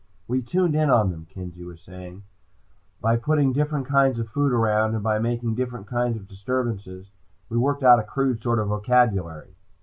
"We tuned in on them," Kenzie was saying. "By putting different kinds of food around, and by making different kinds of disturbances, we worked out a crude sort of vocabulary."